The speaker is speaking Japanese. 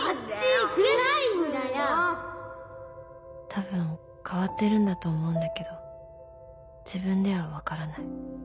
多分変わってるんだと思うんだけど自分では分からない。